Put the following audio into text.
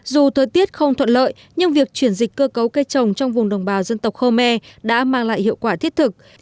dù thời tiết không thuận lợi nhưng việc chuyển dịch cơ cấu cây trồng trong vùng đồng bào dân tộc khơ me đã mang lại hiệu quả thiết thực